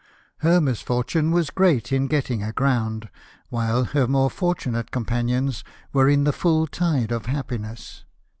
Her misfortune was great in getting aground, while her more fortunate com panions were in the full tide of happiness